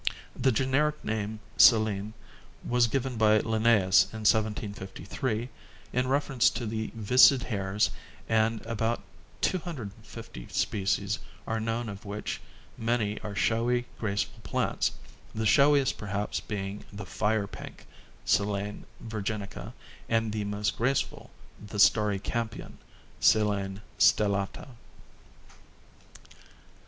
The generic name Silene was given by Linnaeus in 1753 in reference to the viscid hairs and about 250 species are known of which many are showy graceful plants, the showiest perhaps being the Fire pink, Silene virginica, and the most graceful, the Starry Campion, Silene stellata.